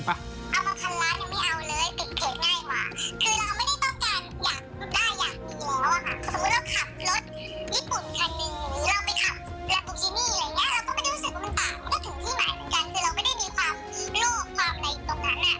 คือเราไม่ได้มีความกิโลกความใดกี่ตรงนั้น